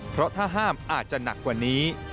เพราะถ้าห้ามอาจจะหนักกว่านี้